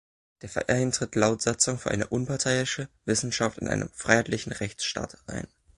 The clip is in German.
Der Verein tritt laut Satzung für eine unparteiische Wissenschaft in einem freiheitlichen Rechtsstaat ein.